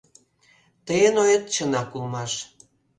Тыйын оет чынак улмаш.